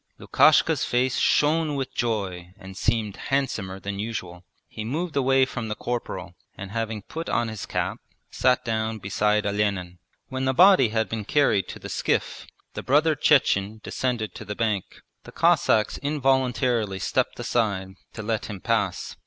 Lukashka's face shone with joy and seemed handsomer than usual. He moved away from the corporal, and having put on his cap sat down beside Olenin. When the body had been carried to the skiff the brother Chechen descended to the bank. The Cossacks involuntarily stepped aside to let him pass.